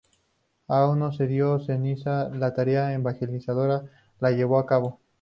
Aún no siendo sencilla la tarea evangelizadora la llevó a cabo.